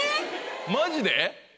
マジで？